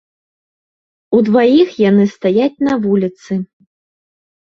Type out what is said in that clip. Удваіх яны стаяць на вуліцы.